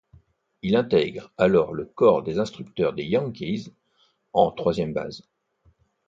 Il intègre alors le corps des instructeurs des Yankees, en troisième base.